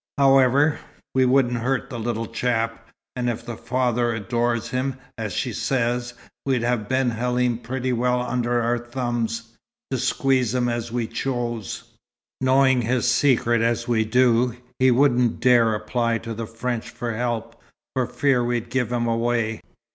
However, we wouldn't hurt the little chap, and if the father adores him, as she says, we'd have Ben Halim pretty well under our thumbs, to squeeze him as we chose. Knowing his secret as we do, he wouldn't dare apply to the French for help, for fear we'd give him away.